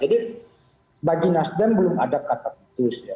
jadi bagi nasdem belum ada kata putus ya